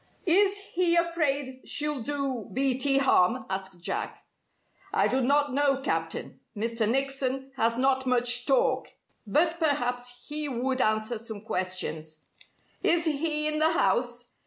"Is he afraid she'll do Beatty harm?" asked Jack. "I do not know, Captain. Mr. Nickson has not much talk. But perhaps he would answer some questions." "Is he in the house?"